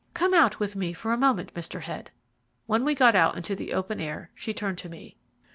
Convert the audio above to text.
"Come out with me for a moment, Mr. Head." When we got into the open air she turned to me.